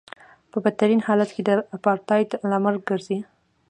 په بدترین حالت کې د اپارټایډ لامل ګرځي.